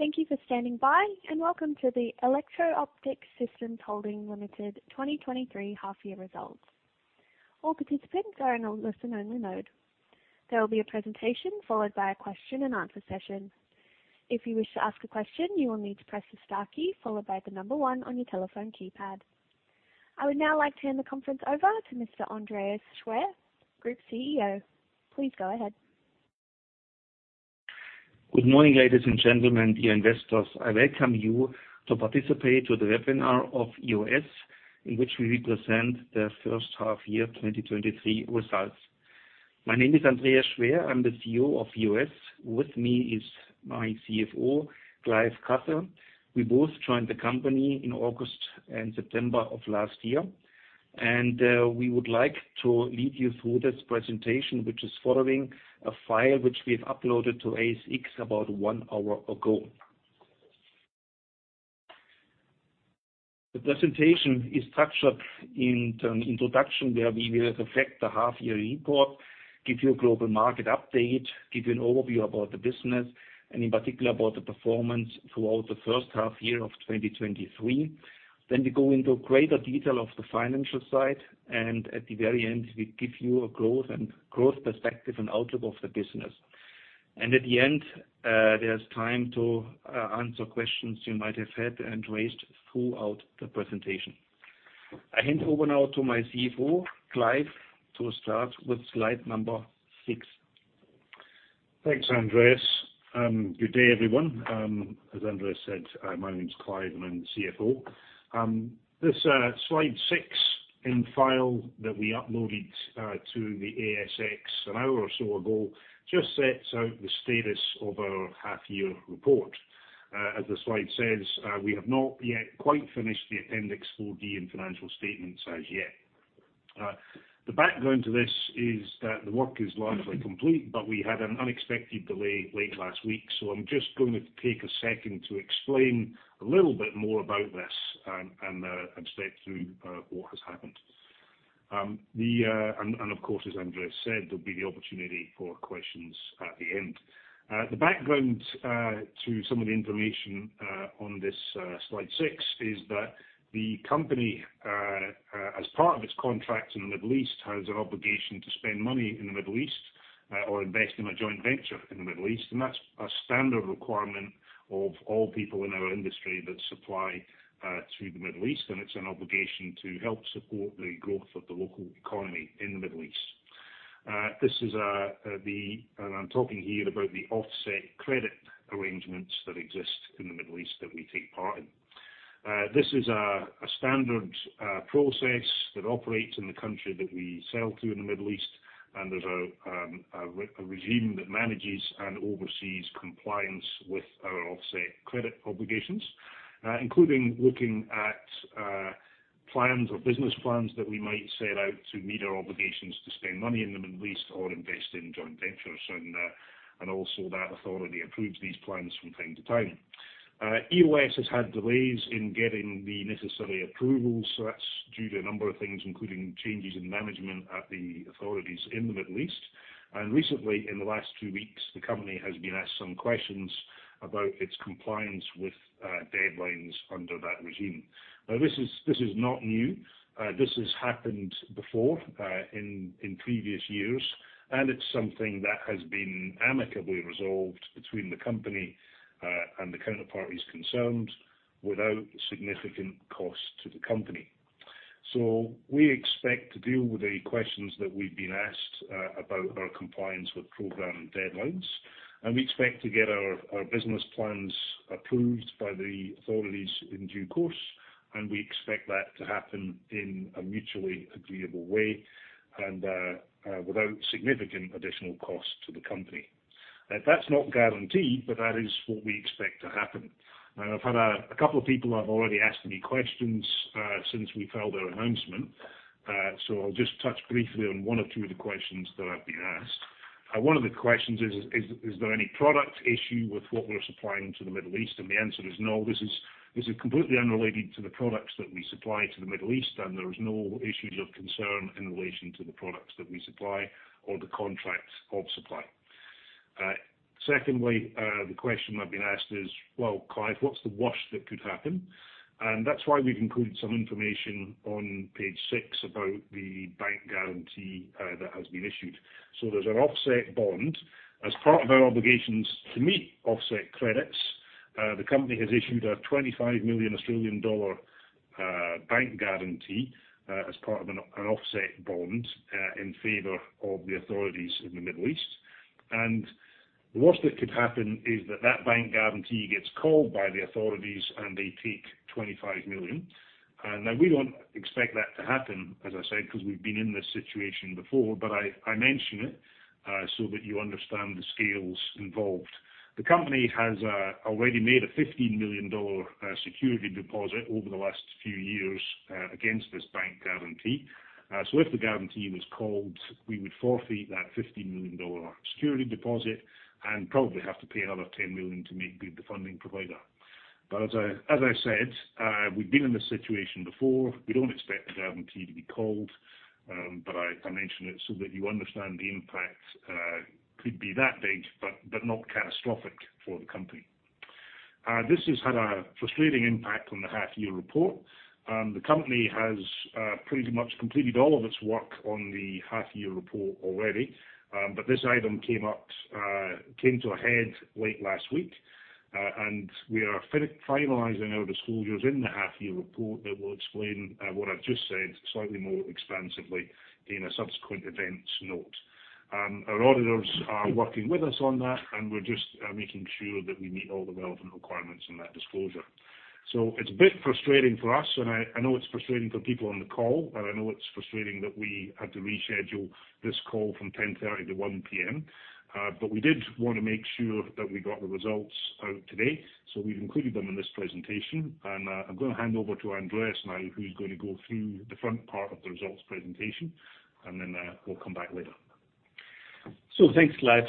Thank you for standing by, and welcome to the Electro Optic Systems Holdings Limited 2023 half year results. All participants are in a listen-only mode. There will be a presentation followed by a question and answer session. If you wish to ask a question, you will need to press the star key followed by the number one on your telephone keypad. I would now like to hand the conference over to Mr. Andreas Schwer, Group CEO. Please go ahead. Good morning, ladies and gentlemen, dear investors. I welcome you to participate in the webinar of EOS., in which we will present the H1 year 2023 results. My name is Andreas Schwer. I'm the CEO of EOS. With me is my CFO, Clive Cuthell. We both joined the company in August and September of last year, and we would like to lead you through this presentation, which is following a file which we have uploaded to ASX about 1 hour ago. The presentation is structured in terms introduction, where we will reflect the half year report, give you a global market update, give you an overview about the business, and in particular, about the performance throughout the H1 year of 2023. Then we go into greater detail of the financial side, and at the very end, we give you a growth and growth perspective and outlook of the business. At the end, there's time to answer questions you might have had and raised throughout the presentation. I hand over now to my CFO, Clive, to start with slide number 6. Thanks, Andreas. Good day, everyone. As Andreas said, my name is Clive, and I'm the CFO. This slide 6 in file that we uploaded to the ASX an hour or so ago just sets out the status of our half year report. As the slide says, we have not yet quite finished the Appendix 4D and financial statements as yet. The background to this is that the work is largely complete, but we had an unexpected delay late last week. So I'm just going to take a second to explain a little bit more about this and step through what has happened. And of course, as Andreas said, there'll be the opportunity for questions at the end. The background to some of the information on this slide six is that the company as part of its contract in the Middle East has an obligation to spend money in the Middle East or invest in a joint venture in the Middle East. That's a standard requirement of all people in our industry that supply to the Middle East, and it's an obligation to help support the growth of the local economy in the Middle East. This is. I'm talking here about the offset credit arrangements that exist in the Middle East that we take part in. This is a standard process that operates in the country that we sell to in the Middle East, and there's a regime that manages and oversees compliance with our offset credit obligations. Including looking at plans or business plans that we might set out to meet our obligations, to spend money in the Middle East, or invest in joint ventures. And also that authority approves these plans from time to time. EOS has had delays in getting the necessary approvals, so that's due to a number of things, including changes in management at the authorities in the Middle East. And recently, in the last two weeks, the company has been asked some questions about its compliance with deadlines under that regime. Now, this is, this is not new. This has happened before, in previous years, and it's something that has been amicably resolved between the company and the counterparties concerned, without significant cost to the company. We expect to deal with the questions that we've been asked, about our compliance with program deadlines, and we expect to get our business plans approved by the authorities in due course, and we expect that to happen in a mutually agreeable way and, without significant additional cost to the company. That's not guaranteed, but that is what we expect to happen. I've had a couple of people have already asked me questions, since we filed our announcement, so I'll just touch briefly on one or two of the questions that I've been asked. One of the questions is: Is there any product issue with what we're supplying to the Middle East? The answer is no. This is completely unrelated to the products that we supply to the Middle East, and there is no issues of concern in relation to the products that we supply or the contracts of supply. Secondly, the question I've been asked is: "Well, Clive, what's the worst that could happen?" And that's why we've included some information on page six about the bank guarantee that has been issued. So there's an offset bond. As part of our obligations to meet offset credits, the company has issued a 25 million Australian dollar bank guarantee as part of an offset bond in favor of the authorities in the Middle East. And the worst that could happen is that bank guarantee gets called by the authorities, and they take 25 million. Now we don't expect that to happen, as I said, because we've been in this situation before, but I, I mention it so that you understand the scales involved. The company has already made a 15 million dollar security deposit over the last few years against this bank guarantee. So if the guarantee was called, we would forfeit that 15 million dollar security deposit and probably have to pay another 10 million to meet the, the funding provider. But as I, as I said, we've been in this situation before. We don't expect the guarantee to be called, but I, I mention it so that you understand the impact could be that big, but, but not catastrophic for the company. This has had a frustrating impact on the half year report. The company has pretty much completed all of its work on the half-year report already. But this item came up, came to a head late last week. And we are finalizing our disclosures in the half-year report that will explain what I've just said, slightly more expansively in a subsequent events note. Our auditors are working with us on that, and we're just making sure that we meet all the relevant requirements in that disclosure. So it's a bit frustrating for us, and I know it's frustrating for people on the call, and I know it's frustrating that we had to reschedule this call from 10:30 A.M. to 1:00 P.M. But we did want to make sure that we got the results out today, so we've included them in this presentation. And, I'm gonna hand over to Andreas now, who's going to go through the front part of the results presentation, and then we'll come back later. So thanks, Clive.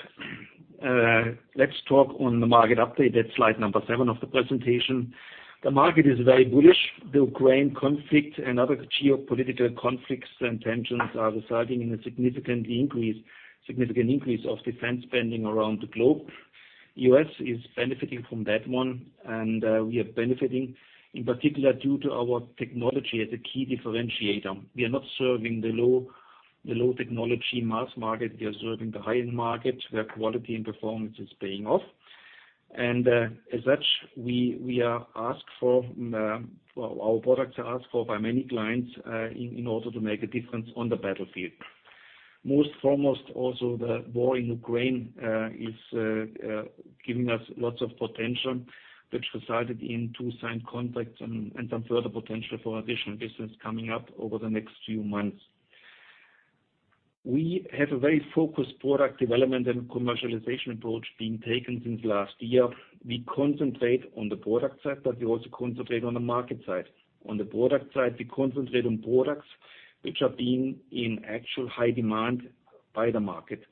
Let's talk on the market update. That's slide number 7 of the presentation. The market is very bullish. The Ukraine conflict and other geopolitical conflicts and tensions are resulting in a significant increase of defense spending around the globe. The EOS is benefiting from that one, and we are benefiting, in particular, due to our technology as a key differentiator. We are not serving the low technology mass market. We are serving the high-end market, where quality and performance is paying off. And as such, we are asked for, well, our products are asked for by many clients, in order to make a difference on the battlefield. Most foremost, also, the war in Ukraine is giving us lots of potential, which resulted in two signed contracts and, and some further potential for additional business coming up over the next few months. We have a very focused product development and commercialization approach being taken since last year. We concentrate on the product side, but we also concentrate on the market side. On the product side, we concentrate on products which are being in actual high demand by the market.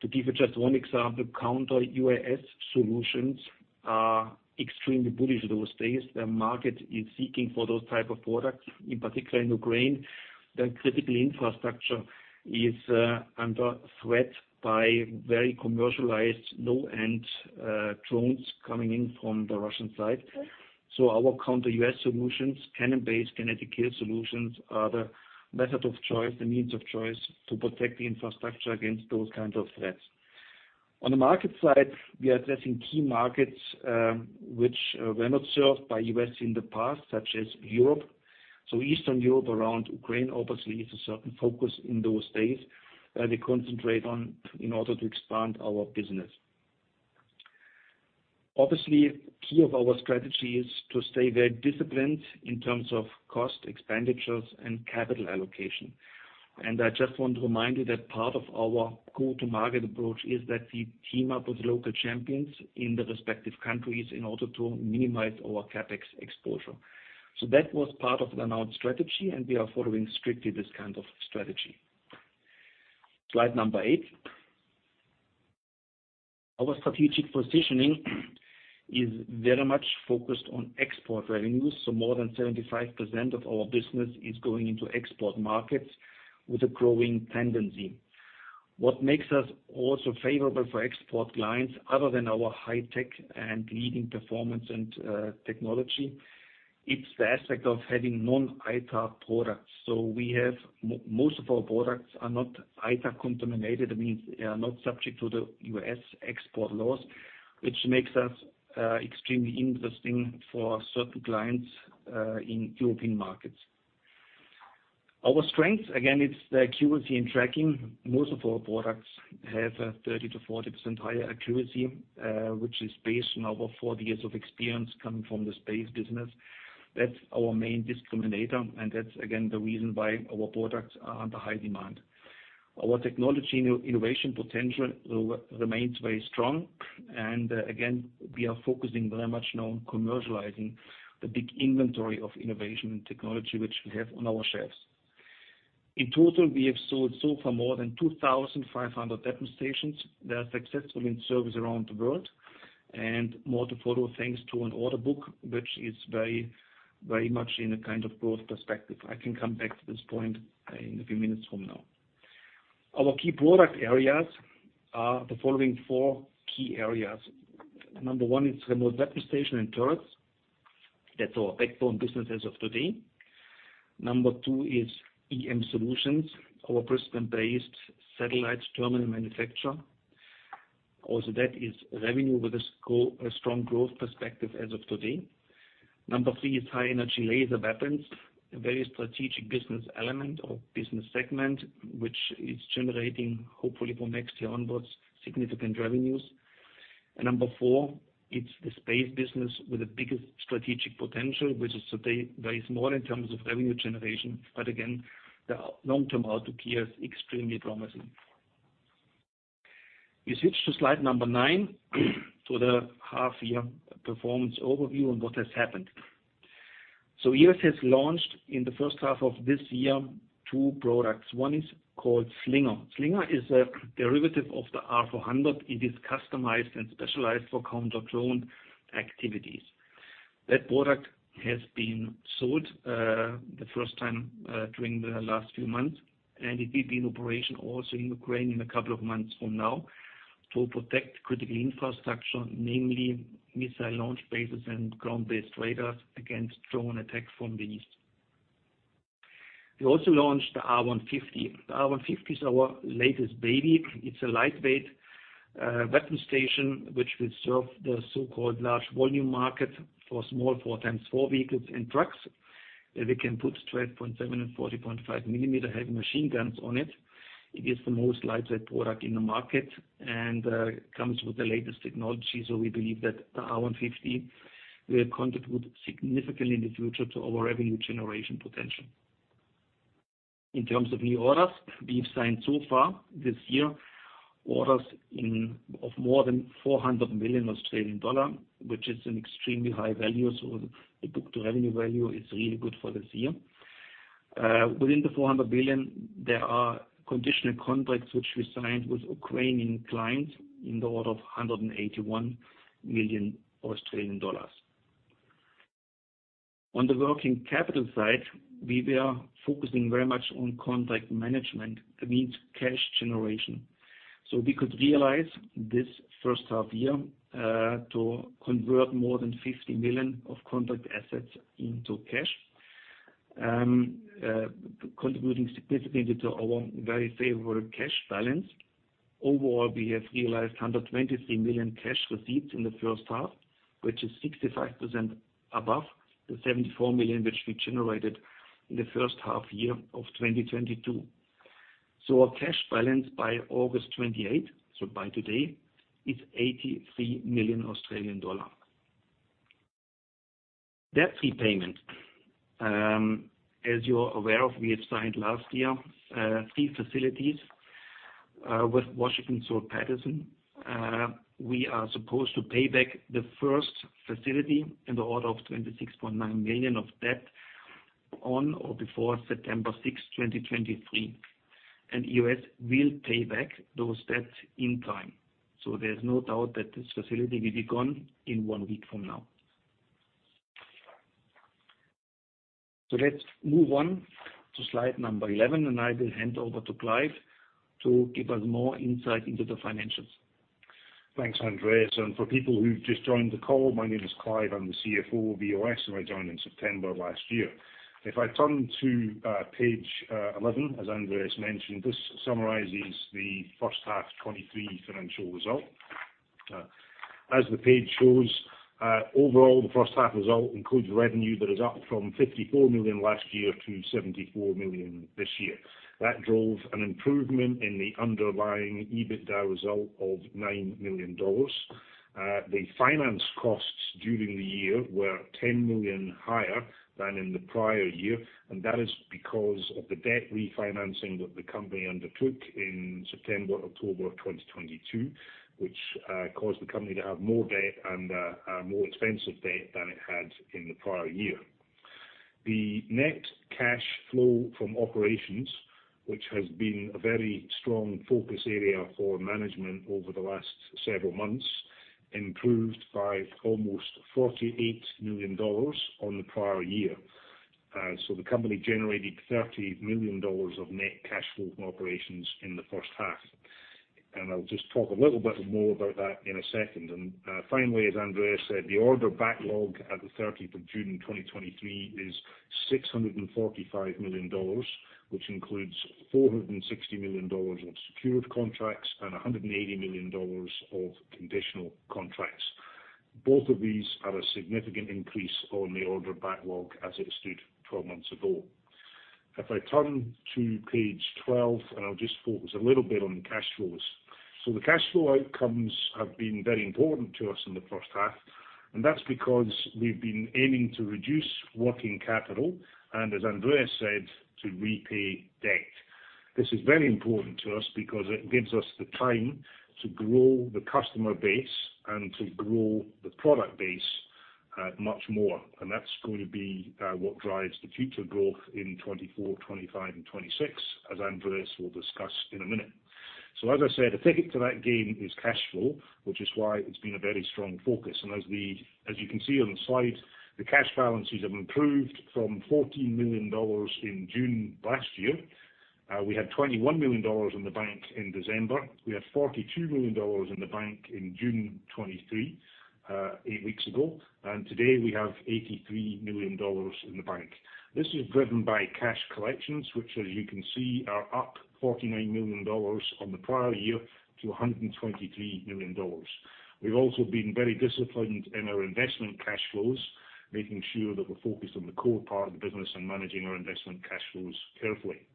To give you just one example, counter-UAS solutions are extremely bullish those days. The market is seeking for those type of products, in particular in Ukraine. Their critical infrastructure is under threat by very commercialized, low-end drones coming in from the Russian side. So our counter-UAS solutions, cannon-based kinetic kill solutions, are the method of choice, the means of choice, to protect the infrastructure against those kinds of threats. On the market side, we are addressing key markets, which were not served by us in the past, such as Europe. Eastern Europe, around Ukraine, obviously, is a certain focus in those days, we concentrate on in order to expand our business. Obviously, key of our strategy is to stay very disciplined in terms of cost expenditures and capital allocation. And I just want to remind you that part of our go-to-market approach is that we team up with local champions in the respective countries in order to minimize our CapEx exposure. So that was part of the announced strategy, and we are following strictly this kind of strategy. Slide number 8. Our strategic positioning is very much focused on export revenues, so more than 75% of our business is going into export markets with a growing tendency. What makes us also favorable for export clients, other than our high tech and leading performance and, technology, it's the aspect of having non-ITAR products. So we have most of our products are not ITAR contaminated, means they are not subject to the U.S. export laws, which makes us, extremely interesting for certain clients, in European markets. Our strength, again, it's the accuracy and tracking. Most of our products have a 30%-40% higher accuracy, which is based on over 40 years of experience coming from the space business. That's our main discriminator, and that's again, the reason why our products are under high demand. Our technology and innovation potential remains very strong, and again, we are focusing very much now on commercializing the big inventory of innovation and technology which we have on our shelves. In total, we have sold so far more than 2,500 demonstrations. They are successful in service around the world, and more to follow, thanks to an order book, which is very, very much in a kind of growth perspective. I can come back to this point in a few minutes from now. Our key product areas are the following four key areas. Number one is remote weapon station and turrets. That's our backbone business as of today. Number two is EM Solutions, Cobra-based satellite, terminal manufacturer. Also, that is revenue with a strong growth perspective as of today. Number three is high-energy laser weapons, a very strategic business element or business segment, which is generating, hopefully from next year onwards, significant revenues. Number four, it's the space business with the biggest strategic potential, which is today, there is more in terms of revenue generation, but again, the long-term outlook here is extremely promising. We switch to slide number 9, to the half year performance overview on what has happened. So EOS has launched in the first H1 of this year, two products. One is called Slinger. Slinger is a derivative of the R400. It is customized and specialized for counter-drone activities. That product has been sold, the first time, during the last few months, and it will be in operation also in Ukraine in a couple of months from now to protect critical infrastructure, namely missile launch bases and ground-based radars against drone attacks from the east. We also launched the R150. The R150 is our latest baby. It's a lightweight, weapon station, which will serve the so-called large volume market for small 4x4 vehicles and trucks, and we can put 12.7mm and 40mm heavy machine guns on it. It is the most lightweight product in the market and, comes with the latest technology, so we believe that the R150 will contribute significantly in the future to our revenue generation potential. In terms of new orders, we've signed so far this year, orders in, of more than 400 million Australian dollar, which is an extremely high value, so the book to revenue value is really good for this year. Within the 400 million, there are conditional contracts which we signed with Ukrainian clients in the order of 181 million Australian dollars. On the working capital side, we were focusing very much on contract management, that means cash generation. So we could realize this H1 year to convert more than 50 million of contract assets into cash, contributing significantly to our very favorable cash balance. Overall, we have realized 123 million cash receipts in the H1, which is 65% above the 74 million, which we generated in the year of 2022. So our cash balance by August 28, so by today, is 83 million Australian dollars. Debt repayment. As you're aware of, we had signed last year three facilities with Washington H. Soul Pattinson. We are supposed to pay back the first facility in the order of 26.9 million of debt on or before September 6, 2023, and EOS will pay back those debts in time. So there's no doubt that this facility will be gone in one week from now. So let's move on to slide number 11, and I will hand over to Clive to give us more insight into the financials. Thanks, Andreas, and for people who've just joined the call, my name is Clive, I'm the CFO of EOS, and I joined in September of last year. If I turn to page 11, as Andreas mentioned, this summarizes the H1 2023 financial result. As the page shows, overall, the H1 result includes revenue that is up from 54 million last year to 74 million this year. That drove an improvement in the underlying EBITDA result of 9 million dollars. The finance costs during the year were 10 million higher than in the prior year, and that is because of the debt refinancing that the company undertook in September, October of 2022, which caused the company to have more debt and a more expensive debt than it had in the prior year. The net cash flow from operations, which has been a very strong focus area for management over the last several months, improved by almost 48 million dollars on the prior year. So the company generated 30 million dollars of net cash flow from operations in the H1. And I'll just talk a little bit more about that in a second. And, finally, as Andreas said, the order backlog at the 13th of June 2023 is 645 million dollars, which includes 460 million dollars of secured contracts and 180 million dollars of conditional contracts. Both of these are a significant increase on the order backlog as it stood 12 months ago. If I turn to page 12, and I'll just focus a little bit on the cash flows. So the cash flow outcomes have been very important to us in the H1, and that's because we've been aiming to reduce working capital, and as Andreas said, to repay debt. This is very important to us because it gives us the time to grow the customer base and to grow the product base much more. And that's going to be what drives the future growth in 2024, 2025 and 2026, as Andreas will discuss in a minute. So as I said, the ticket to that game is cash flow, which is why it's been a very strong focus. And as you can see on the slide, the cash balances have improved from AUD 14 million in June last year. We had AUD 21 million in the bank in December. We had AUD 42 million in the bank in June 2023, eight weeks ago, and today we have AUD 83 million in the bank. This is driven by cash collections, which, as you can see, are up AUD 49 million on the prior year to AUD 123 million. We've also been very disciplined in our investment cash flows, making sure that we're focused on the core part of the business and managing our investment cash flows carefully.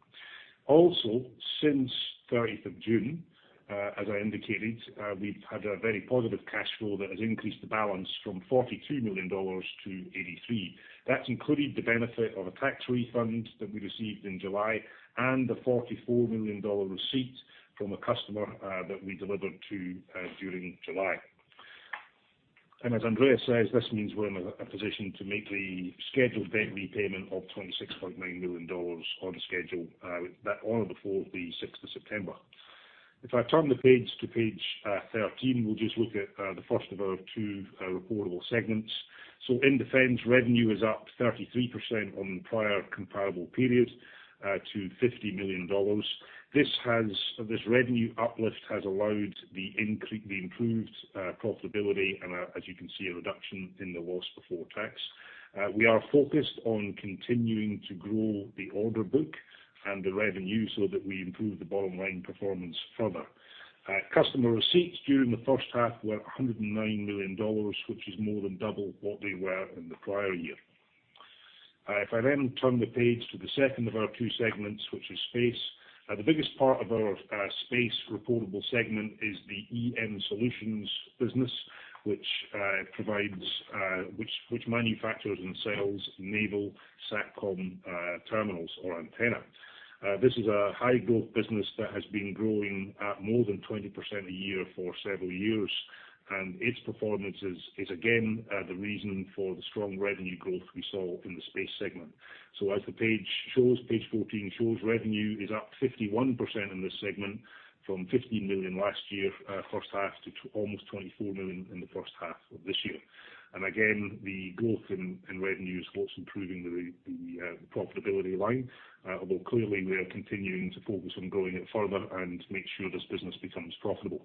Also, since thirtieth of June, as I indicated, we've had a very positive cash flow that has increased the balance from 43 million dollars to 83 million. That's included the benefit of a tax refund that we received in July and a 44 million dollar receipt from a customer that we delivered to during July. As Andreas says, this means we're in a position to make the scheduled debt repayment of 26.9 million dollars on schedule, that on or before the sixth of September. If I turn the page to page 13, we'll just look at the first of our two reportable segments. In defense, revenue is up 33% on the prior comparable period to 50 million dollars. This revenue uplift has allowed the improved profitability, and as you can see, a reduction in the loss before tax. We are focused on continuing to grow the order book and the revenue so that we improve the bottom line performance further. Customer receipts during the H1 were 109 million dollars, which is more than double what they were in the prior year. If I then turn the page to the second of our two segments, which is space. The biggest part of our space reportable segment is the EM Solutions business, which provides which manufactures and sells naval Satcom terminals or antenna. This is a high-growth business that has been growing at more than 20% a year for several years, and its performance is again the reason for the strong revenue growth we saw in the space segment. So as the page shows, page 14 shows, revenue is up 51% in this segment, from 15 million last year H1 to almost 24 million in the H1 of this year. Again, the growth in revenue is what's improving the profitability line, although clearly we are continuing to focus on growing it further and make sure this business becomes profitable.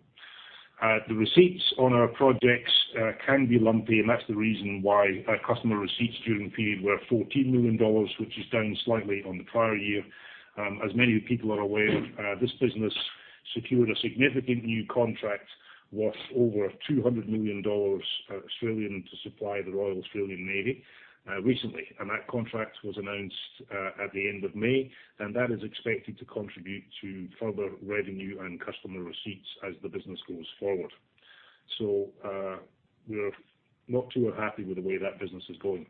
The receipts on our projects can be lumpy, and that's the reason why our customer receipts during the period were 14 million dollars, which is down slightly on the prior year. As many people are aware, this business secured a significant new contract worth over 200 million dollars to supply the Royal Australian Navy recently. And that contract was announced at the end of May, and that is expected to contribute to further revenue and customer receipts as the business goes forward. So, we're not too unhappy with the way that business is going.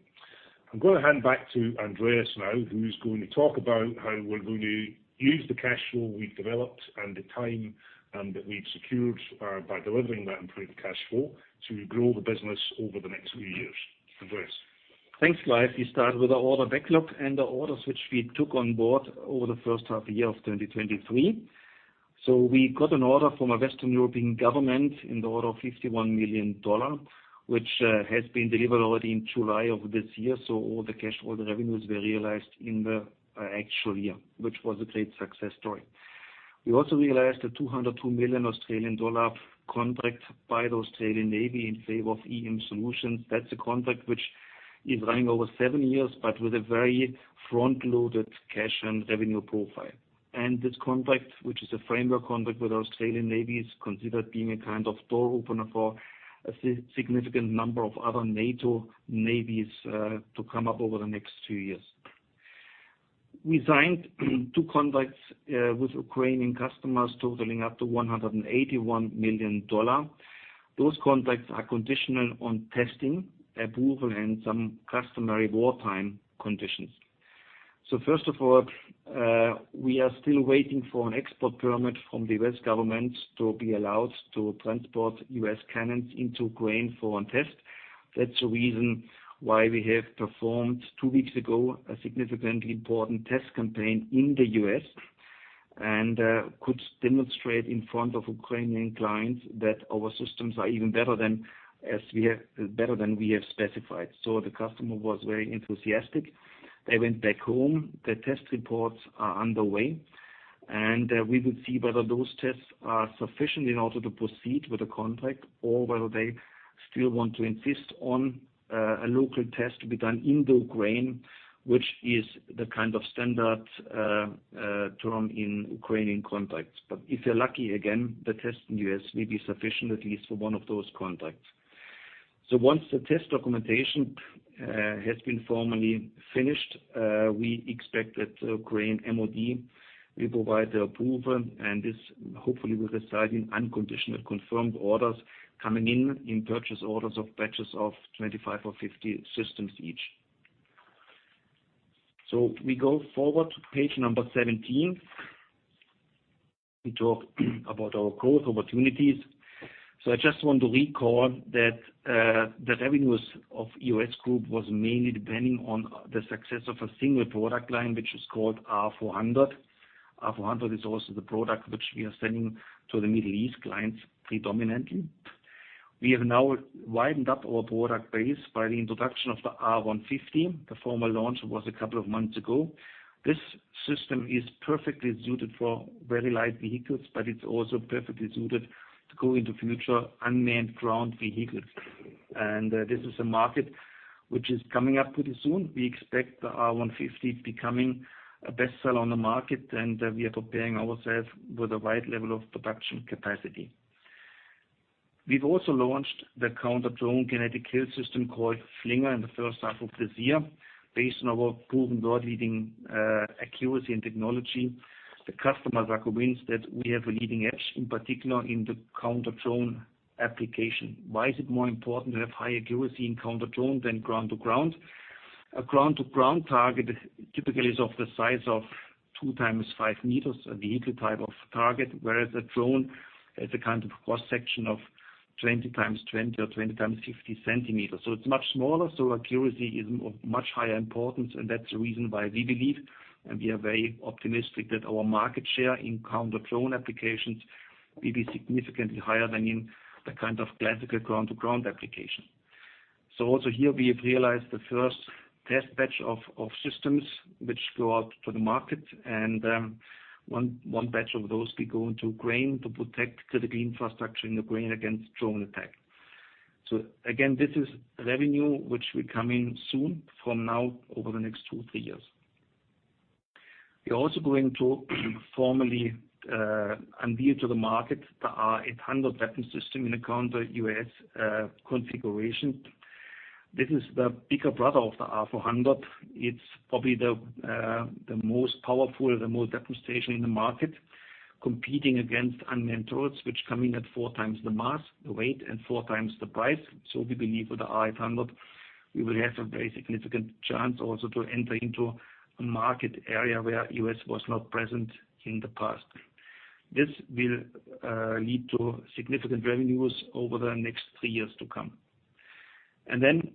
I'm going to hand back to Andreas now, who's going to talk about how we're going to use the cash flow we've developed and the time that we've secured by delivering that improved cash flow to grow the business over the next few years. Andreas? Thanks, Clive. We start with our order backlog and the orders which we took on board over the first half of 2023. We got an order from a Western European government in the order of 51 million dollar, which has been delivered already in July of this year. All the cash or the revenues were realized in the actual year, which was a great success story. We also realized a 202 million Australian dollar contract by the Australian Navy in favor of EM Solutions. That's a contract which is running over 7 years, but with a very front-loaded cash and revenue profile. And this contract, which is a framework contract with Australian Navy, is considered being a kind of door opener for a significant number of other NATO navies to come up over the next 2 years. We signed two contracts with Ukrainian customers totaling up to 181 million dollar. Those contracts are conditional on testing, approval, and some customary wartime conditions. So first of all, we are still waiting for an export permit from the U.S. government to be allowed to transport U.S. cannons into Ukraine for a test. That's the reason why we have performed, two weeks ago, a significantly important test campaign in the U.S. and could demonstrate in front of Ukrainian clients that our systems are even better than we have specified. So the customer was very enthusiastic. They went back home. The test reports are underway, and we will see whether those tests are sufficient in order to proceed with the contract or whether they still want to insist on a local test to be done in the Ukraine, which is the kind of standard term in Ukrainian contracts. But if you're lucky, again, the test in U.S. may be sufficient, at least for one of those contracts. So once the test documentation has been formally finished, we expect that the Ukraine MoD will provide the approval, and this hopefully will result in unconditional confirmed orders coming in, in purchase orders of batches of 25 or 50 systems each. So we go forward to page number 17. We talk about our growth opportunities. So I just want to recall that, the revenues of EOS Group was mainly depending on the success of a single product line, which is called R400. R400 is also the product which we are selling to the Middle East clients predominantly. We have now widened up our product base by the introduction of the R150. The formal launch was a couple of months ago. This system is perfectly suited for very light vehicles, but it's also perfectly suited to go into future unmanned ground vehicles. And, this is a market which is coming up pretty soon. We expect the R150 becoming a best seller on the market, and, we are preparing ourselves with the right level of production capacity. We've also launched the counter-drone kinetic kill system called Slinger in the H1 of this year, based on our proven world-leading, accuracy and technology. The customers are convinced that we have a leading edge, in particular in the counter-drone application. Why is it more important to have high accuracy in counter-drone than ground to ground? A ground to ground target typically is of the size of 2 x 5 meters, a vehicle type of target, whereas a drone is a kind of cross-section of 20 x 20 or 20 x 50 centimeters. So it's much smaller, so accuracy is of much higher importance, and that's the reason why we believe, and we are very optimistic that our market share in counter drone applications will be significantly higher than in the kind of classical ground to ground application. So also here, we have realized the first test batch of systems which go out to the market, and one batch of those will go into Ukraine to protect critical infrastructure in Ukraine against drone attack. So again, this is revenue which will come in soon from now over the next 2-3 years. We are also going to formally unveil to the market the R800 weapon system in the counter-UAS configuration. This is the bigger brother of the R400. It's probably the most powerful, the most devastating in the market, competing against unmanned turrets, which come in at four times the mass, the weight, and four times the price. So we believe with the R800, we will have a very significant chance also to enter into a market area where EOS was not present in the past. This will lead to significant revenues over the next three years to come. And then,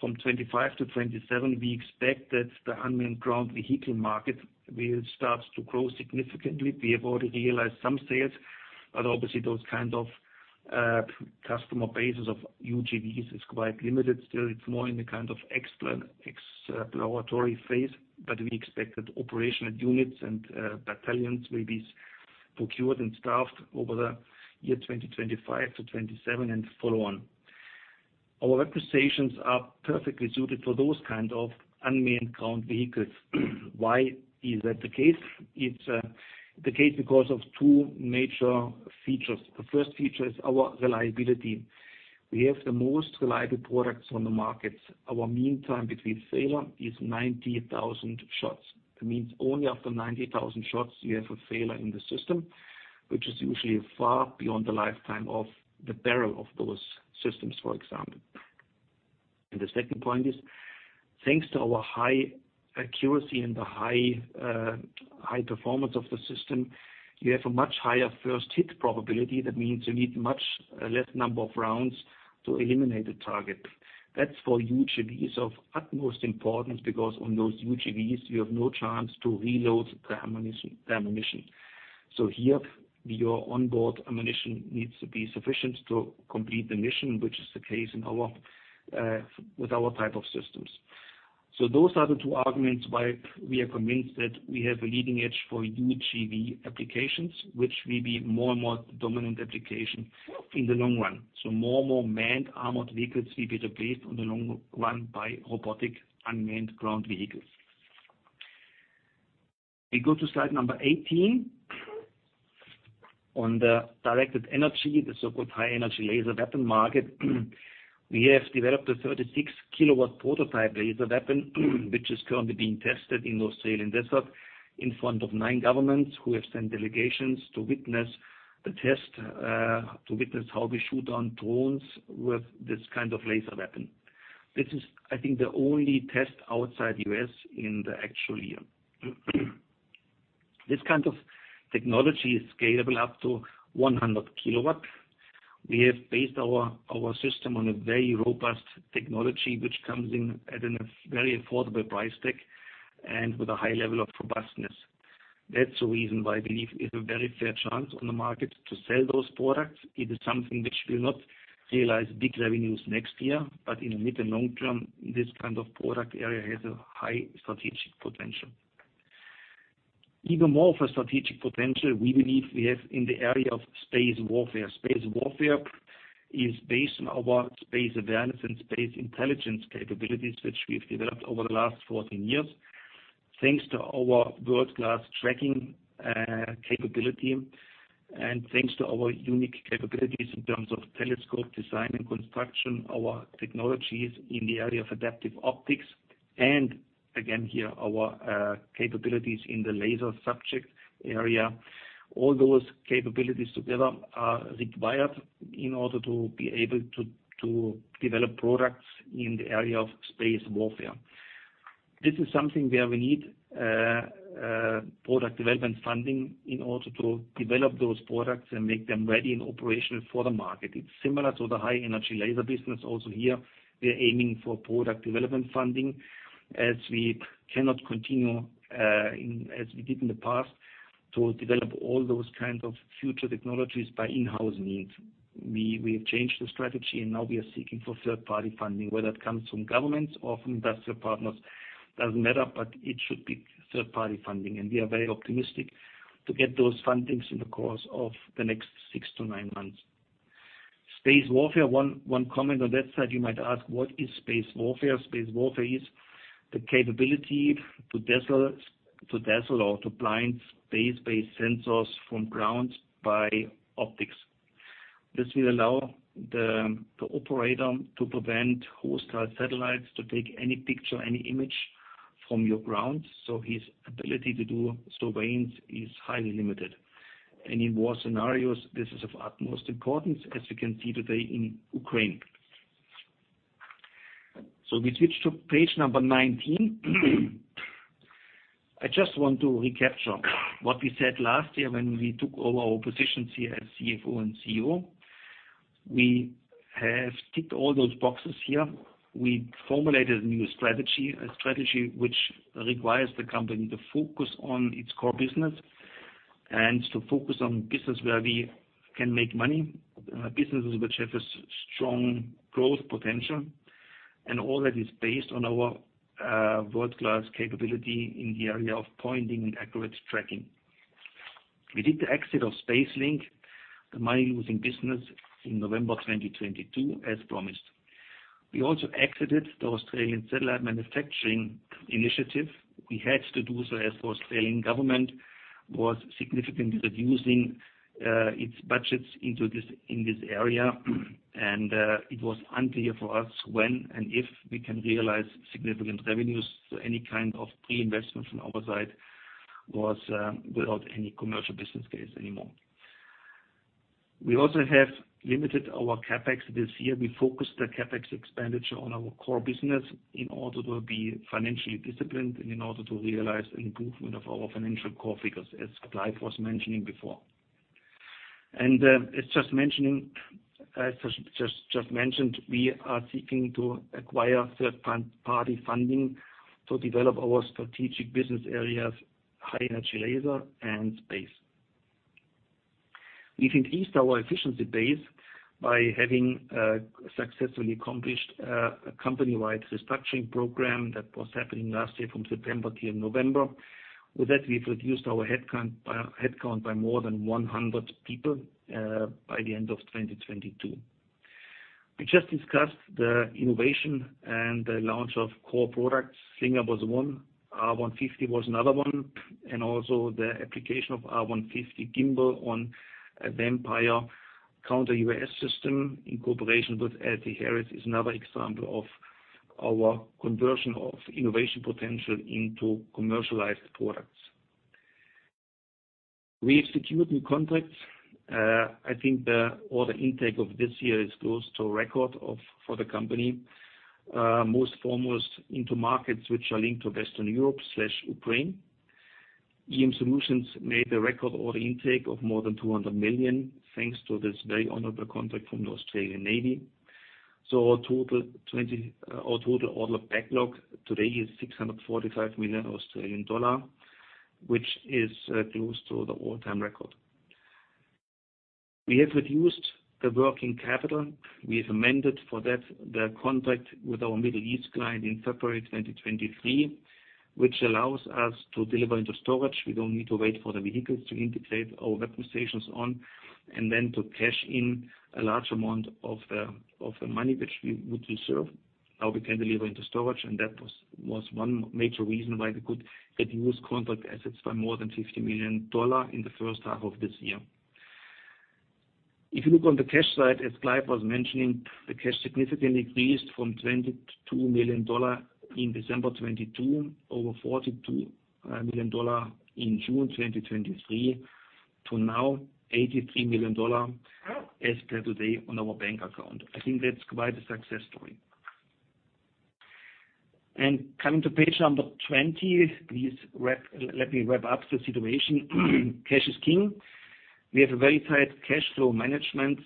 from 25 to 27, we expect that the unmanned ground vehicle market will start to grow significantly. We have already realized some sales, but obviously, those kind of customer bases of UGV is quite limited. Still, it's more in the kind of exploratory phase, but we expect that operational units and battalions will be procured and staffed over the year 2025 to 2027 and follow on. Our representations are perfectly suited for those kind of unmanned ground vehicles. Why is that the case? It's the case because of two major features. The first feature is our reliability. We have the most reliable products on the market. Our meantime between failure is 90,000 shots. That means only after 90,000 shots, you have a failure in the system, which is usually far beyond the lifetime of the barrel of those systems, for example. And the second point is, thanks to our high accuracy and the high, high performance of the system, you have a much higher first hit probability. That means you need much less number of rounds to eliminate the target. That's for UGV is of utmost importance, because on those UGVs, you have no chance to reload the ammunition, the ammunition. So here, your onboard ammunition needs to be sufficient to complete the mission, which is the case in our, with our type of systems. So those are the two arguments why we are convinced that we have a leading edge for UGV applications, which will be more and more dominant application in the long run. More and more manned armored vehicles will be replaced in the long run by robotic unmanned ground vehicles. We go to slide number 18. On the directed energy, the so-called high energy laser weapon market, we have developed a 36-kilowatt prototype laser weapon, which is currently being tested in Australian desert in front of 9 governments who have sent delegations to witness the test, to witness how we shoot on drones with this kind of laser weapon. This is, I think, the only test outside U.S. in the actual year. This kind of technology is scalable up to 100-kilowatt. We have based our system on a very robust technology, which comes in at a very affordable price tag and with a high level of robustness. That's the reason why I believe it's a very fair chance on the market to sell those products. It is something which will not realize big revenues next year, but in the mid and long term, this kind of product area has a high strategic potential. Even more for strategic potential, we believe we have in the area of space warfare. Space warfare is based on our space awareness and space intelligence capabilities, which we've developed over the last 14 years, thanks to our world-class tracking capability, and thanks to our unique capabilities in terms of telescope design and construction, our technologies in the area of adaptive optics, and again, here, our capabilities in the laser subject area. All those capabilities together are required in order to be able to, to develop products in the area of space warfare. This is something where we need product development funding in order to develop those products and make them ready and operational for the market. It's similar to the high energy laser business. Also, here, we are aiming for product development funding, as we cannot continue in as we did in the past, to develop all those kinds of future technologies by in-house needs. We have changed the strategy, and now we are seeking for third-party funding, whether it comes from governments or from industrial partners, doesn't matter, but it should be third-party funding. We are very optimistic to get those fundings in the course of the next six to nine months. Space warfare, one comment on that side. You might ask, what is space warfare? Space warfare is the capability to dazzle, to dazzle or to blind space-based sensors from ground by optics. This will allow the operator to prevent hostile satellites to take any picture, any image from your grounds, so his ability to do surveillance is highly limited. And in war scenarios, this is of utmost importance, as you can see today in Ukraine. So we switch to page number 19. I just want to recapture what we said last year when we took over our positions here as CFO and CEO. We have ticked all those boxes here. We formulated a new strategy, a strategy which requires the company to focus on its core business and to focus on business where we can make money, businesses which have a strong growth potential, and all that is based on our world-class capability in the area of pointing and accurate tracking. We did the exit of SpaceLink, the money-losing business, in November 2022, as promised. We also exited the Australian Satellite Manufacturing Initiative. We had to do so as the Australian government was significantly reducing its budgets into this, in this area, and it was unclear for us when and if we can realize significant revenues to any kind of pre-investment from our side was without any commercial business case anymore. We also have limited our CapEx this year. We focused the CapEx expenditure on our core business in order to be financially disciplined and in order to realize improvement of our financial core figures, as Clive was mentioning before. As just mentioned, we are seeking to acquire third-party funding to develop our strategic business areas, high-energy laser and space. We can ease our efficiency base by having successfully accomplished a company-wide restructuring program that was happening last year from September to November. With that, we've reduced our headcount by more than 100 people by the end of 2022. We just discussed the innovation and the launch of core products. Slinger was one, R150 was another one, and also the application of R150 gimbal on the VAMPIRE counter UAS system in cooperation with L3Harris is another example of our conversion of innovation potential into commercialized products. We have secured new contracts. I think the order intake of this year is close to a record of, for the company, most foremost into markets which are linked to Western Europe/Ukraine. EM Solutions made a record order intake of more than 200 million, thanks to this very honorable contract from the Australian Navy. So our total order backlog today is 645 million Australian dollar, which is, close to the all-time record. We have reduced the working capital. We have amended for that the contract with our Middle East client in February 2023, which allows us to deliver into storage. We don't need to wait for the vehicles to integrate our weapon stations on, and then to cash in a large amount of the, of the money which we would reserve. Now we can deliver into storage, and that was one major reason why we could reduce contract assets by more than 50 million dollar in the H1 of this year. If you look on the cash side, as Clive was mentioning, the cash significantly increased from 22 million dollar in December 2022, over 42 million dollar in June 2023, to now 83 million dollar as per today on our bank account. I think that's quite a success story. Coming to page number 20, let me wrap up the situation. Cash is king. We have a very tight cash flow management.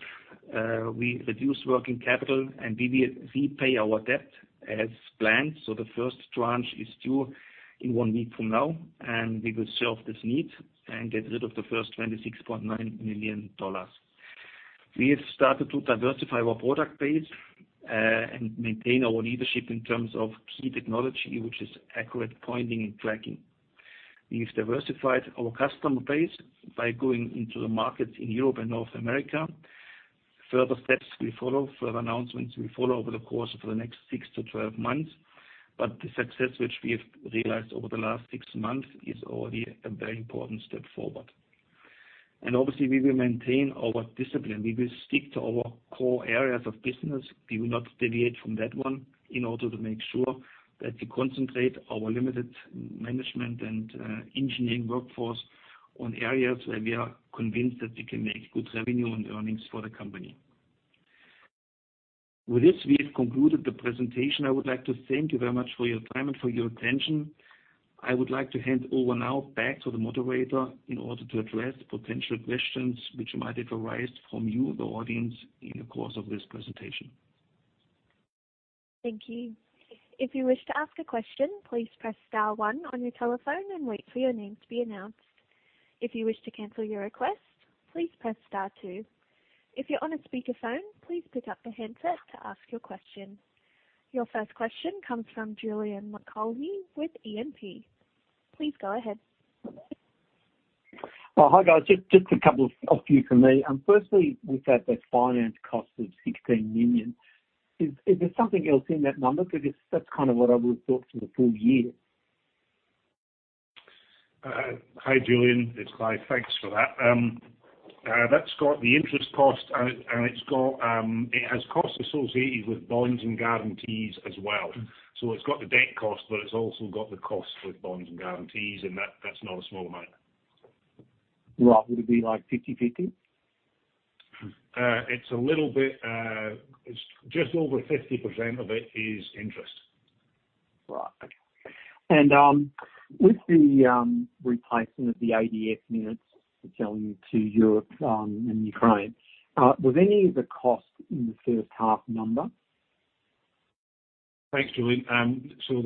We reduced working capital, and we will repay our debt as planned, so the first tranche is due in one week from now, and we will serve this need and get rid of the first 26.9 million dollars. We have started to diversify our product base, and maintain our leadership in terms of key technology, which is accurate pointing and tracking. We've diversified our customer base by going into the markets in Europe and North America. Further steps will follow, further announcements will follow over the course of the next 6-12 months, but the success which we have realized over the last 6 months is already a very important step forward. And obviously, we will maintain our discipline. We will stick to our core areas of business. We will not deviate from that one in order to make sure that we concentrate our limited management and, engineering workforce on areas where we are convinced that we can make good revenue and earnings for the company. With this, we have concluded the presentation. I would like to thank you very much for your time and for your attention. I would like to hand over now back to the moderator in order to address potential questions which might have arisen from you, the audience, in the course of this presentation. Thank you. If you wish to ask a question, please press star one on your telephone and wait for your name to be announced. If you wish to cancel your request, please press star two. If you're on a speakerphone, please pick up the handset to ask your question. Your first question comes from Julian Mulcahy with E&P. Please go ahead. Well, hi, guys. Just a few from me. Firstly, we've got the finance cost of 16 million. Is there something else in that number? Because that's kind of what I would have thought for the full year. Hi, Julian, it's Clive. Thanks for that. That's got the interest cost, and, and it's got, it has costs associated with bonds and guarantees as well. So it's got the debt cost, but it's also got the cost with bonds and guarantees, and that, that's not a small amount. Right. Would it be like 50/50? It's a little bit, it's just over 50% of it is interest. Right. Okay. And with the replacement of the ADF units you're selling to Europe and Ukraine, was any of the cost in the H1 number? Thanks, Julian. So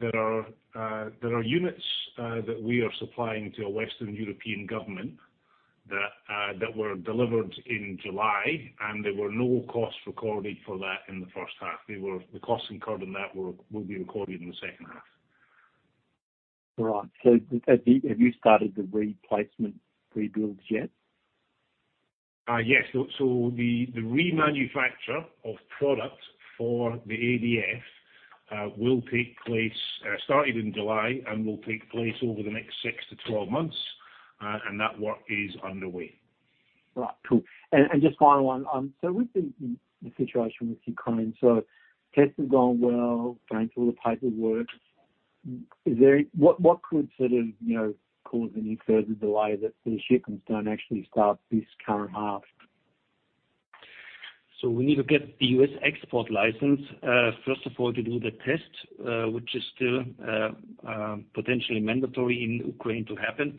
there are units that we are supplying to a Western European government that were delivered in July, and there were no costs recorded for that in the H1. They were. The costs incurred in that will be recorded in the H2. Right. So, have you started the replacement rebuilds yet? Yes. So, the remanufacture of product for the ADF will take place, started in July and will take place over the next 6-12 months, and that work is underway. Right. Cool. And just final one, so with the situation with Ukraine, so tests are going well, going through all the paperwork, is there what could sort of, you know, cause any further delay that the shipments don't actually start this current half? So we need to get the U.S. export license, first of all, to do the test, which is still potentially mandatory in Ukraine to happen,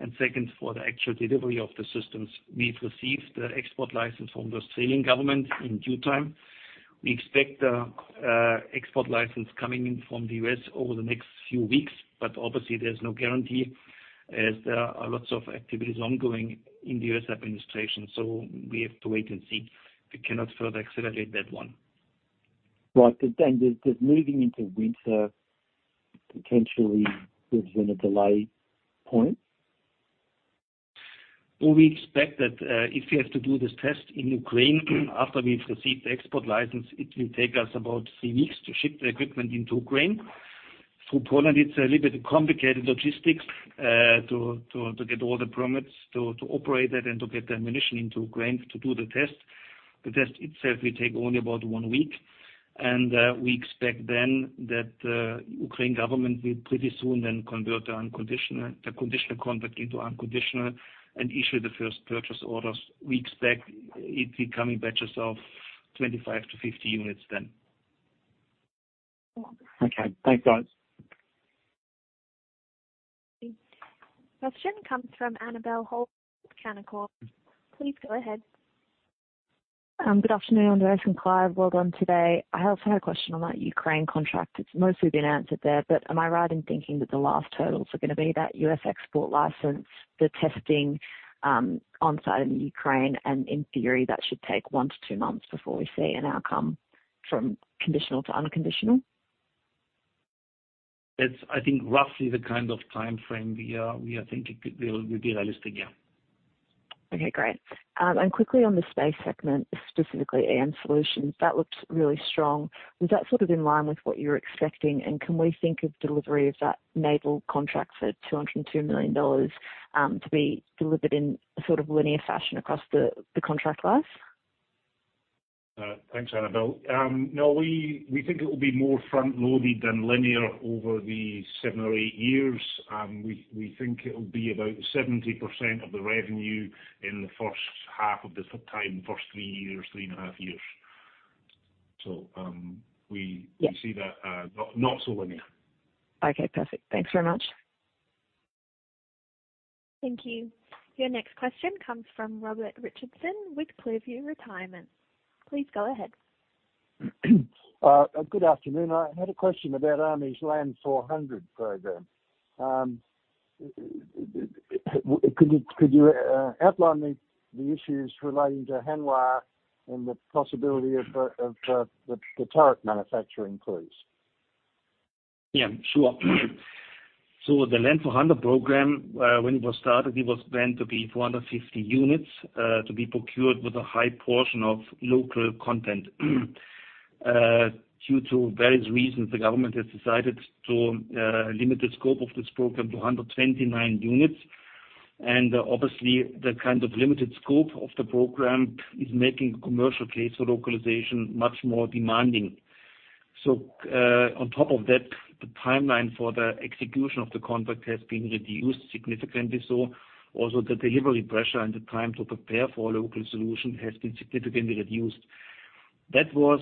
and second, for the actual delivery of the systems. We've received the export license from the Australian government in due time. We expect the export license coming in from the U.S. over the next few weeks, but obviously there's no guarantee as there are lots of activities ongoing in the U.S. administration, so we have to wait and see. We cannot further accelerate that one. Right. But then, does moving into winter potentially present a delay point? Well, we expect that if we have to do this test in Ukraine, after we've received the export license, it will take us about three weeks to ship the equipment into Ukraine. Through Poland, it's a little bit complicated logistics to get all the permits to operate it and to get the ammunition into Ukraine to do the test. The test itself will take only about one week, and we expect then that Ukraine government will pretty soon then convert the unconditional, the conditional contract into unconditional and issue the first purchase orders. We expect it to come in batches of 25-50 units then. Okay. Thanks, guys. Question comes from Annabelle Holden, Canaccord. Please go ahead. Good afternoon, Andreas and Clive. Well done today. I also had a question on that Ukraine contract. It's mostly been answered there, but am I right in thinking that the last hurdles are gonna be that U.S. export license, the testing, on site in Ukraine, and in theory, that should take 1-2 months before we see an outcome from conditional to unconditional? That's, I think, roughly the kind of timeframe we are thinking will be realistic, yeah. Okay, great. And quickly on the space segment, specifically, EM Solutions, that looks really strong. Was that sort of in line with what you were expecting? And can we think of delivery of that naval contract for 202 million dollars, to be delivered in a sort of linear fashion across the contract life? Thanks, Annabel. No, we think it will be more front loaded than linear over the 7 or 8 years. We think it will be about 70% of the revenue in the first half of the time, first three years, three and a half years. So, we see that, not, not so linear. Okay, perfect. Thanks very much. Thank you. Your next question comes from Robert Richardson with ClearView Retirement. Please go ahead. Good afternoon. I had a question about Army's LAND 400 program. Could you outline the issues relating to Hanwha and the possibility of the turret manufacturing please? Yeah, sure. So the LAND 400 program, when it was started, it was planned to be 450 units to be procured with a high portion of local content. Due to various reasons, the government has decided to limit the scope of this program to 129 units, and obviously, the kind of limited scope of the program is making commercial case for localization much more demanding. So, on top of that, the timeline for the execution of the contract has been reduced significantly. So also the delivery pressure and the time to prepare for a local solution has been significantly reduced. That was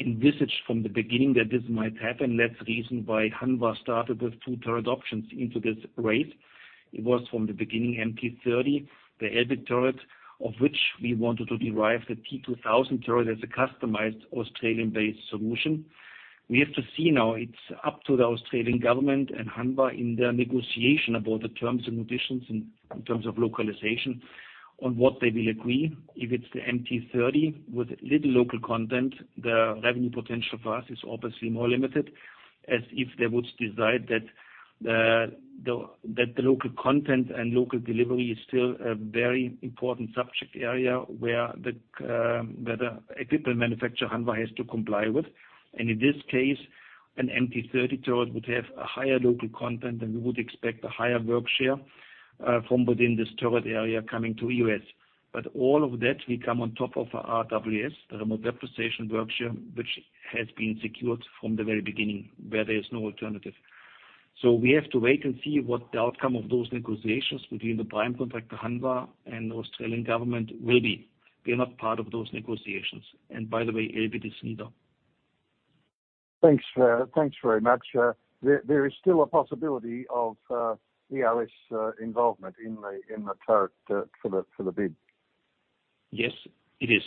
envisaged from the beginning that this might happen. That's the reason why Hanwha started with two turret options into this race. It was from the beginning, MT30, the Elbit turret, of which we wanted to derive the T2000 turret as a customized Australian-based solution. We have to see now, it's up to the Australian government and Hanwha in their negotiation about the terms and conditions in terms of localization, on what they will agree. If it's the MT30 with little local content, the revenue potential for us is obviously more limited, as if they would decide that the local content and local delivery is still a very important subject area where the equipment manufacturer, Hanwha, has to comply with. And in this case, an MT30 turret would have a higher local content, and we would expect a higher work share from within this turret area coming to us. But all of that will come on top of our RWS, the remote weapon station workshare, which has been secured from the very beginning, where there is no alternative. So we have to wait and see what the outcome of those negotiations between the prime contractor, Hanwha, and the Australian government will be. We are not part of those negotiations, and by the way, Elbit is neither. Thanks, thanks very much. There is still a possibility of EOS involvement in the turret for the bid? Yes, it is.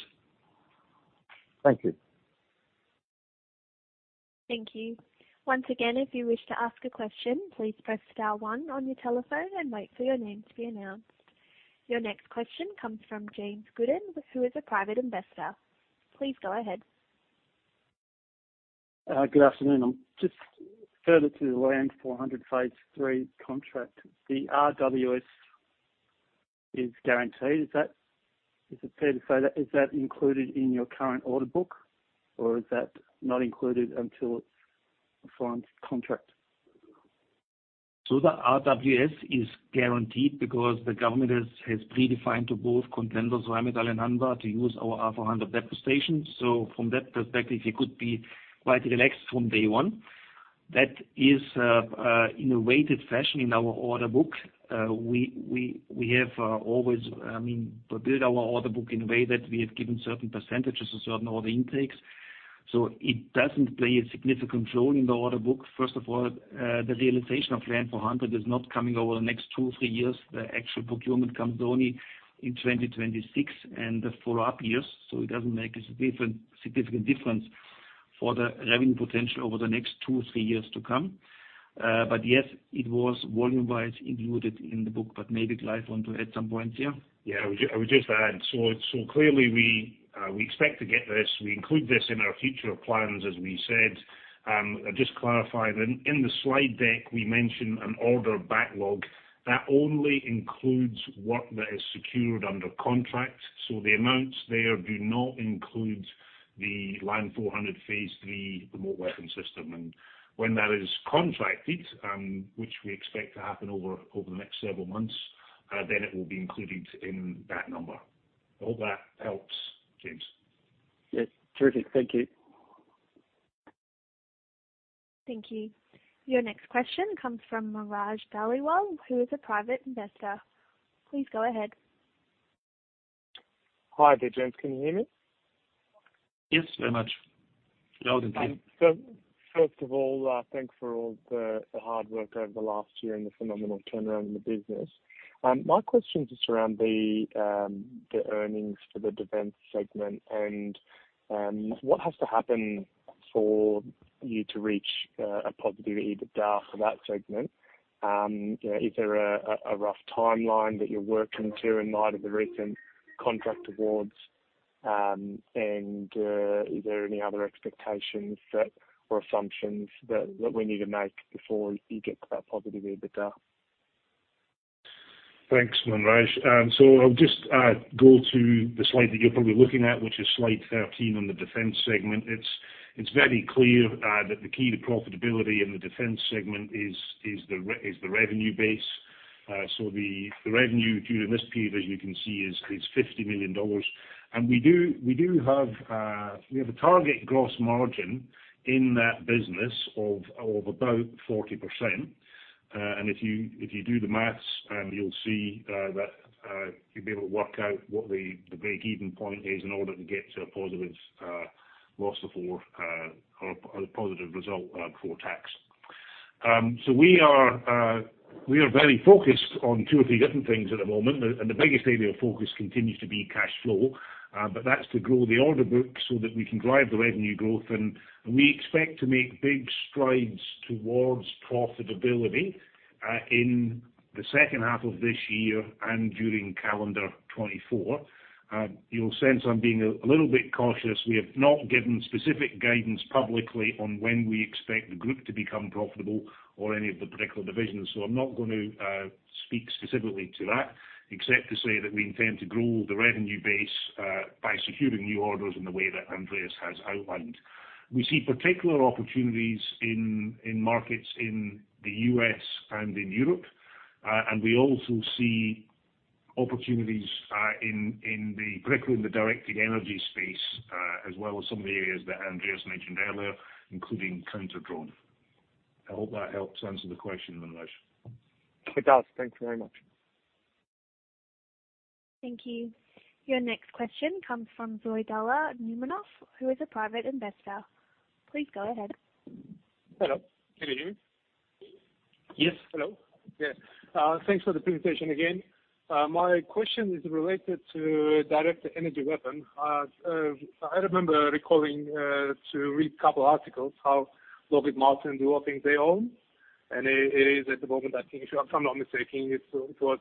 Thank you. Thank you. Once again, if you wish to ask a question, please press star one on your telephone and wait for your name to be announced. Your next question comes from James Gooden, who is a private investor. Please go ahead. Good afternoon. I'm just further to the LAND 400 Phase 3 contract, the RWS is guaranteed. Is that, is it fair to say that, is that included in your current order book, or is that not included until it's signed contract? So the RWS is guaranteed because the government has predefined to both contenders, Rheinmetall and Hanwha, to use our R400 weapon station. So from that perspective, it could be quite relaxed from day one. That is, in a weighted fashion in our order book. We have always, I mean, built our order book in a way that we have given certain percentages to certain order intakes, so it doesn't play a significant role in the order book. First of all, the realization of LAND 400 is not coming over the next two, three years. The actual procurement comes only in 2026 and the follow-up years, so it doesn't make a significant difference for the revenue potential over the next two, three years to come. Yes, it was volume-wise included in the book, but maybe Clive want to add some points here? Yeah, I would just add. So clearly we expect to get this. We include this in our future plans, as we said. I just clarify, in the slide deck, we mentioned an order backlog. That only includes work that is secured under contract, so the amounts there do not include the LAND 400 Phase 3 remote weapon system. And when that is contracted, which we expect to happen over the next several months, then it will be included in that number. I hope that helps, James. Yes. Terrific. Thank you. Thank you. Your next question comes from Manraj Dhaliwal, who is a private investor. Please go ahead. Hi, there, gents. Can you hear me? Yes, very much. Loud and clear. So first of all, thanks for all the hard work over the last year and the phenomenal turnaround in the business. My question is around the earnings for the defense segment and what has to happen for you to reach a positive EBITDA for that segment? You know, is there a rough timeline that you're working to in light of the recent contract awards? And is there any other expectations that or assumptions that we need to make before you get to that positive EBITDA? Thanks, Manraj. So I'll just go to the slide that you're probably looking at, which is slide 13 on the defense segment. It's very clear that the key to profitability in the defense segment is the revenue base. So the revenue during this period, as you can see, is 50 million dollars. And we have a target gross margin in that business of about 40%. And if you do the math, you'll see that you'll be able to work out what the breakeven point is in order to get to a positive loss before or the positive result before tax. So we are very focused on two or three different things at the moment. And the biggest area of focus continues to be cash flow. But that's to grow the order book so that we can drive the revenue growth, and we expect to make big strides towards profitability in the second half of this year and during calendar 2024. You'll sense I'm being a little bit cautious. We have not given specific guidance publicly on when we expect the group to become profitable or any of the particular divisions. So I'm not going to speak specifically to that, except to say that we intend to grow the revenue base by securing new orders in the way that Andreas has outlined. We see particular opportunities in markets in the U.S. and in Europe, and we also see opportunities, particularly in the directed energy space, as well as some of the areas that Andreas mentioned earlier, including counter drone. I hope that helps answer the question, Manraj. It does. Thank you very much. Thank you. Your next question comes from Uncertain, who is a private investor. Please go ahead. Hello. Can you hear me? Yes. Hello. Yeah. Thanks for the presentation again. My question is related to directed energy weapon. I remember recalling to read a couple articles how Lockheed Martin developing their own, and it is at the moment, I think, if I'm not mistaken, it's, it was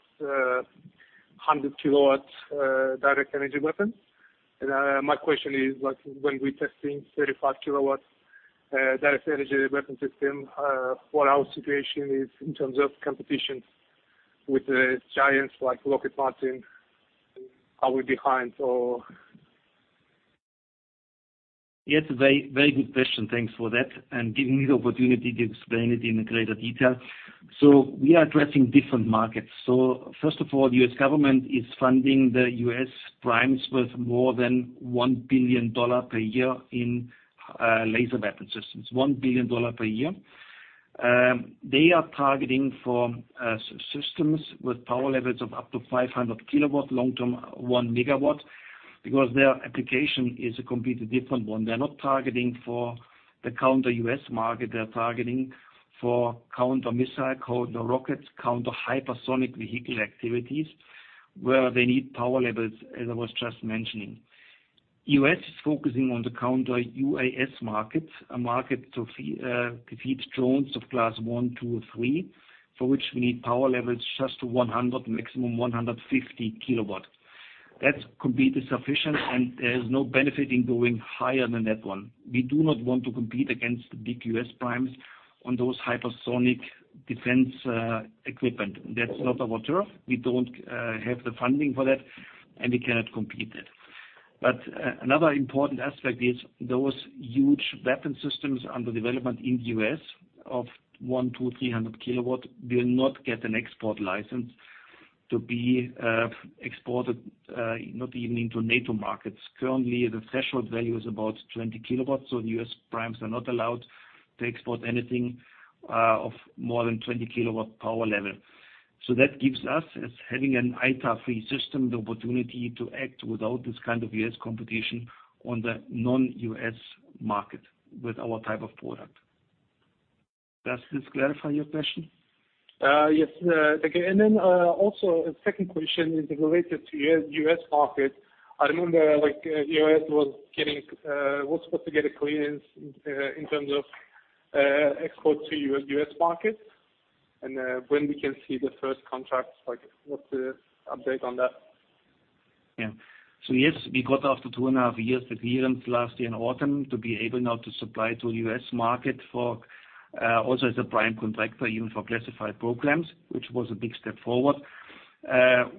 100 kilowatts directed energy weapon. And my question is, like, when we testing 35 kilowatts directed energy weapon system, what our situation is in terms of competition with the giants like Lockheed Martin? Are we behind or? Yes, very, very good question. Thanks for that, and giving me the opportunity to explain it in greater detail. So we are addressing different markets. So first of all, the U.S. government is funding the U.S. primes worth more than $1 billion per year in laser weapon systems. $1 billion per year. They are targeting for systems with power levels of up to 500 kilowatt, long-term, 1 megawatt, because their application is a completely different one. They're not targeting for the counter-UAS market, they're targeting for counter missile, counter rockets, counter hypersonic vehicle activities, where they need power levels, as I was just mentioning. U.S. is focusing on the counter-UAS market, a market to defeat drones of Class 1, 2, or 3, for which we need power levels just to 100, maximum 150 kilowatt. That's completely sufficient, and there's no benefit in going higher than that one. We do not want to compete against the big U.S. primes on those hypersonic defense, equipment. That's not our water. We don't have the funding for that, and we cannot compete that. But, another important aspect is those huge weapon systems under development in the U.S. of 1-300 kilowatt, will not get an export license to be, exported, not even into NATO markets. Currently, the threshold value is about 20 kilowatts, so the U.S. primes are not allowed to export anything, of more than 20 kilowatt power level. So that gives us, as having an ITAR-free system, the opportunity to act without this kind of U.S. competition on the non-U.S. market with our type of product. Does this clarify your question? Yes, again. And then, also a second question is related to U.S., U.S. market. I remember, like, U.S. was getting, was supposed to get a clearance, in terms of, export to U.S., U.S. market, and, when we can see the first contracts, like, what's the update on that? Yeah. So yes, we got, after 2.5 years, the clearance last year in autumn, to be able now to supply to U.S. market for, also as a prime contractor, even for classified programs, which was a big step forward.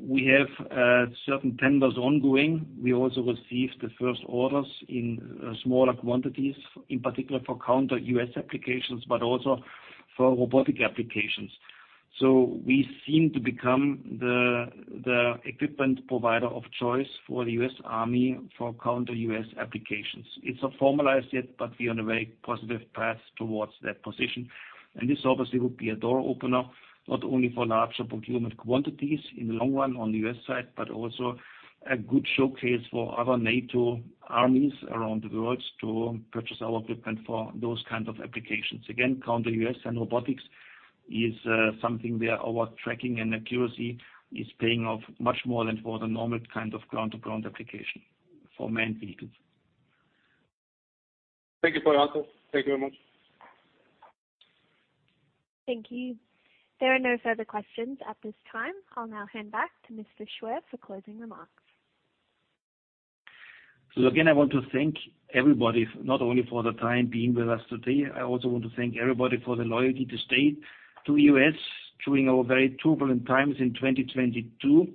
We have, certain tenders ongoing. We also received the first orders in, smaller quantities, in particular for counter-UAS applications, but also for robotic applications. So we seem to become the, the equipment provider of choice for the U.S. Army, for counter-UAS applications. It's not formalized yet, but we are on a very positive path towards that position, and this obviously would be a door opener, not only for larger procurement quantities in the long run on the U.S. side, but also a good showcase for other NATO armies around the world to purchase our equipment for those kinds of applications. Again, counter-UAS and robotics is something we are always tracking, and accuracy is paying off much more than for the normal kind of ground-to-ground application for manned vehicles. Thank you for your answer. Thank you very much. Thank you. There are no further questions at this time. I'll now hand back to Mr. Schwer for closing remarks. So again, I want to thank everybody, not only for the time being with us today, I also want to thank everybody for the loyalty to stay with us during our very turbulent times in 2022.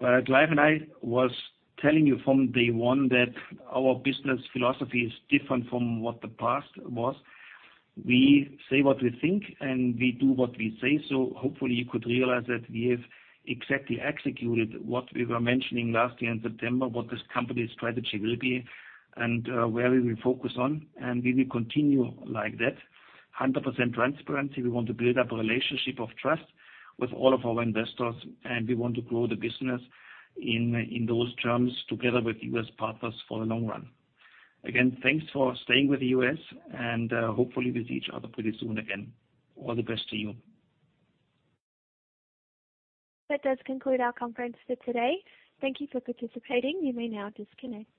Clive and I was telling you from day one, that our business philosophy is different from what the past was. We say what we think, and we do what we say. So hopefully you could realize that we have exactly executed what we were mentioning last year in September, what this company's strategy will be and, where we will focus on, and we will continue like that. 100% transparency. We want to build up a relationship of trust with all of our investors, and we want to grow the business in, in those terms, together with our partners for the long run. Again, thanks for staying with us, and hopefully we'll see each other pretty soon again. All the best to you. That does conclude our conference for today. Thank you for participating. You may now disconnect.